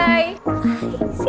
jadi gimana sih